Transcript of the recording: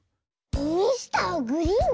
ミスターグリーン⁉